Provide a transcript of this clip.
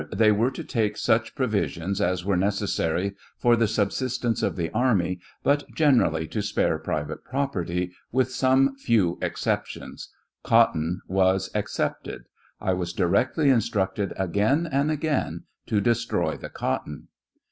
They were to take such provisions as were neces sary for the subsistence of the army, but generally to spare private property, with some few exceptions ; cot ton was excepted ; 1 was directly instructed again and again to destroy the cotton.